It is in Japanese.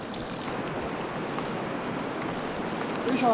よいしょ。